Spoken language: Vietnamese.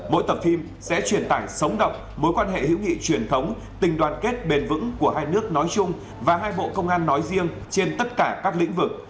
mỗi tập phim sẽ truyền tải sống động mối quan hệ hữu nghị truyền thống tình đoàn kết bền vững của hai nước nói chung và hai bộ công an nói riêng trên tất cả các lĩnh vực